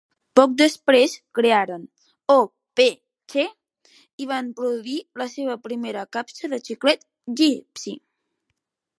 Poc després, crearen O-Pee-Chee i van produir la seva primera capsa de xiclet Gipsy.